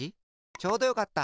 ちょうどよかった！